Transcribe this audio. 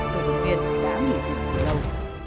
thường vực viện đã nghỉ thử từ lâu